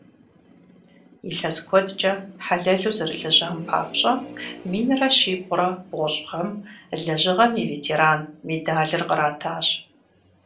Илъэс куэдкӏэ хьэлэлу зэрылэжьам папщӏэ, минрэ щибгъурэ бгъущӏ гъэм «Лэжьыгъэм и ветеран» медалыр къратащ.